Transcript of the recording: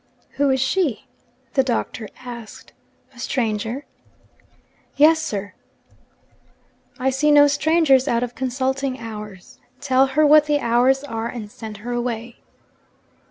'Who is she?' the Doctor asked. 'A stranger?' 'Yes, sir.' 'I see no strangers out of consulting hours. Tell her what the hours are, and send her away.'